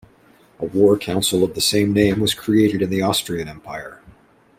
A war council of the same name was created in the Austrian Empire.